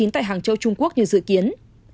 tại hàng châu trung quốc như dự kiến